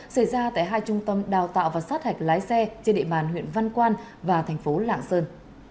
xảy ra tại hai trung tâm đào tạo và sát hạch lái xe trên địa bàn huyện văn quan và thành phố lạng sơn